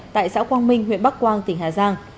tại xã quang minh huyện bắc quang tỉnh hà giang